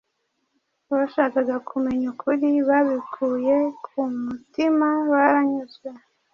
abashakaga kumenya ukuri babikuye ku mutima baranyuzwe.